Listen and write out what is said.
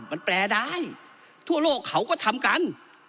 มันแปลได้ทั่วโลกเขาก็ทำกัน